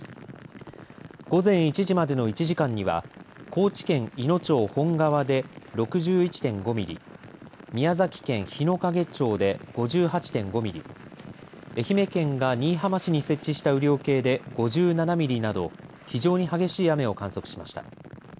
午前１時までの１時間には高知県いの町本川で６１．５ミリ宮崎県日之影町で５８．５ミリ愛媛県が新居浜市に設置した雨量計で５７ミリなど非常に激しい雨を観測しました。